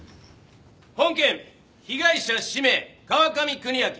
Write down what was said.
本件被害者氏名川上邦明。